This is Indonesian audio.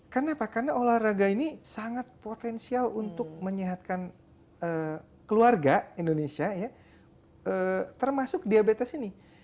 kenapa karena olahraga ini sangat potensial untuk menyehatkan keluarga indonesia ya termasuk diabetes ini